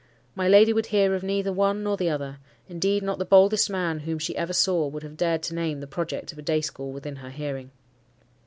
My lady would hear of neither one nor the other: indeed, not the boldest man whom she ever saw would have dared to name the project of a day school within her hearing.